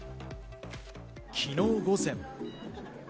昨日午前。